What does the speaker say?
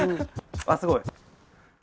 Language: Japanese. あっすごい。